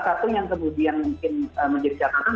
satu yang kemudian mungkin menjadi catatan